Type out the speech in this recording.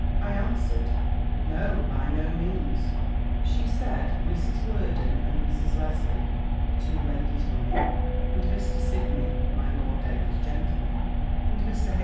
I answered, "No, by no means." She said, Mrs. Worden, and Mrs. Lesley (the two ladies' women), and Mr. Sidney, my Lord Davers's gentleman, and Mr. H.'